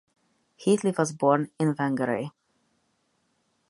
Heatley was born in Whangarei.